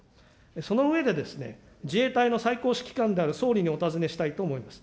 その上で、自衛隊の最高指揮官である総理にお尋ねしたいと思います。